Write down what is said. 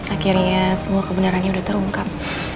akhirnya semua kebenarannya sudah terungkap